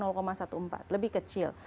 empat belas lebih kecil